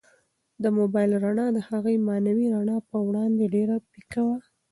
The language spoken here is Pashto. د موبایل رڼا د هغې معنوي رڼا په وړاندې ډېره پیکه وه.